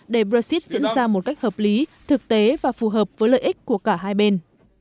để brexit diễn ra một cách hợp lý thực tế và phù hợp với lợi ích của cả hai bên